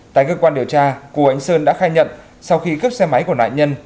tại cơ quan điều tra cú anh sơn đã khai nhận sau khi cướp xe máy của nạn nhân